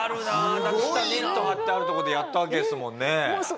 だって下ネット張ってあるとこでやったわけですもんね？